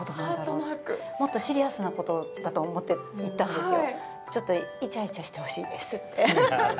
ハートマークもっとシリアスなことだと思っていったんですよ